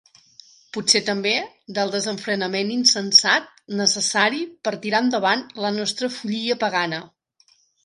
Potser també del desenfrenament insensat necessari per tirar endavant la nostra follia pagana.